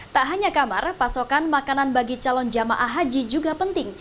tak hanya kamar pasokan makanan bagi calon jamaah haji juga penting